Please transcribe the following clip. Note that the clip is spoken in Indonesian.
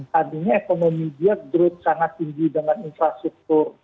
tandanya ekonomi dia sangat tinggi dengan infrastruktur